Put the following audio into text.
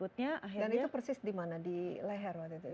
dan itu persis di mana di leher waktu itu